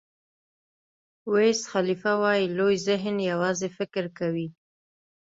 ویز خالیفه وایي لوی ذهن یوازې فکر کوي.